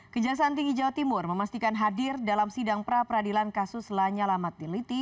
kejahatan tinggi jawa timur memastikan hadir dalam sidang pra peradilan kasus lanya lamat diliti